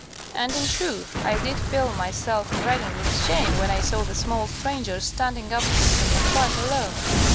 And in truth I did feel myself redden with shame when I saw the small stranger standing opposite to me quite alone.